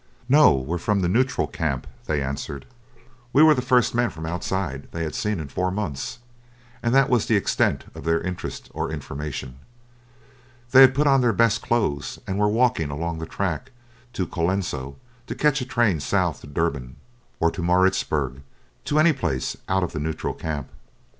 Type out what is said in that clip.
"No, we're from the neutral camp," they answered. We were the first men from outside they had seen in four months, and that was the extent of their interest or information. They had put on their best clothes, and were walking along the track to Colenso to catch a train south to Durban or to Maritzburg, to any place out of the neutral camp.